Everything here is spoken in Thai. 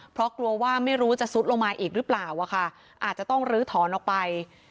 เพราะกลัวว่าไม่รู้จะซุดลงมาอีกหรือเปล่าอะค่ะอาจจะต้องลื้อถอนออกไป